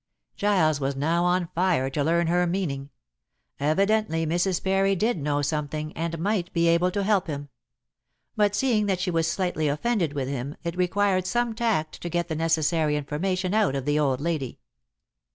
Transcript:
Giles was now on fire to learn her meaning. Evidently Mrs. Parry did know something, and might be able to help him. But seeing that she was slightly offended with him, it required some tact to get the necessary information out of the old lady.